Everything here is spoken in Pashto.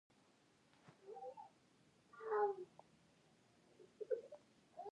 نظارت د جوړولو لپاره لارښوونې ته وایي.